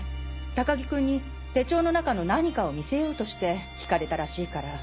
高木君に手帳の中の何かを見せようとしてひかれたらしいから。